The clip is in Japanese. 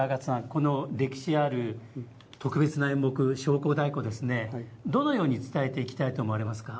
この歴史ある特別な演目「焼香太鼓」をどのように伝えていきたいと思われますか。